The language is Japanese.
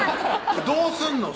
どうすんの？